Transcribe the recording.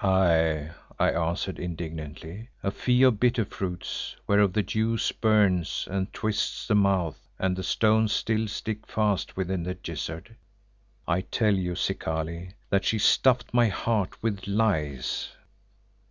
"Aye," I answered indignantly, "a fee of bitter fruits whereof the juice burns and twists the mouth and the stones still stick fast within the gizzard. I tell you, Zikali, that she stuffed my heart with lies."